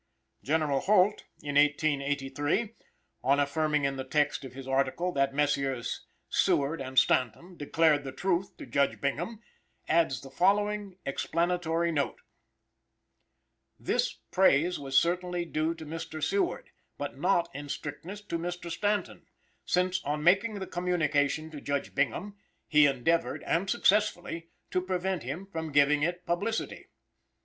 General Holt, in 1883, on affirming in the text of his article that "Messrs. Seward and Stanton declared the truth to Judge Bingham," adds the following explanatory note: "This praise was certainly due to Mr. Seward, but not, in strictness, to Mr. Stanton, since on making the communication to Judge Bingham, he endeavored and successfully, to prevent him from giving it publicity.